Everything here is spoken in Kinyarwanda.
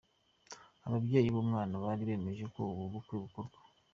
Ababyeyi b’umwana bari bemeje ko ubu bukwe bukorwa.